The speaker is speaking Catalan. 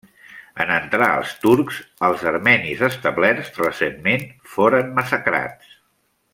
En entrar els turcs els armenis establerts recentment foren massacrats.